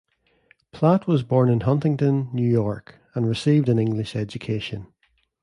Platt was born in Huntington, New York, and received an English education.